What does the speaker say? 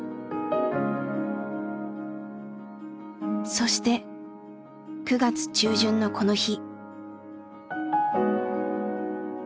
そして９月中旬のこの日。